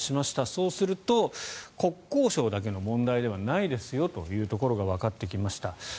そうすると国交省だけの問題ではないですよというところがわかってきました。